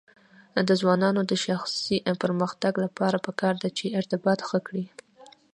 د ځوانانو د شخصي پرمختګ لپاره پکار ده چې ارتباط ښه کړي.